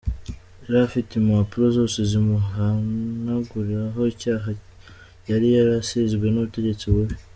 Yari afite impapuro zose zimuhanaguraho icyo cyaha, yari yarasizwe n’ubutegetsi bubi.